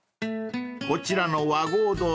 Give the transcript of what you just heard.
［こちらの和合堂さん